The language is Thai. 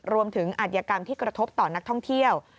อัธยกรรมที่กระทบต่อนักท่องเที่ยว